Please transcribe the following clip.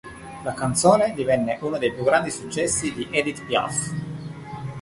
La canzone divenne uno dei più grandi successi di Édith Piaf.